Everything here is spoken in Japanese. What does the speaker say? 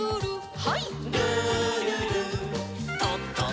はい。